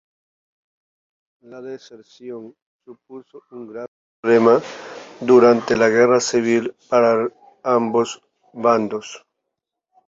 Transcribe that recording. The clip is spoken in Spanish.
La deserción supuso un grave problema durante la Guerra Civil para ambos bandos.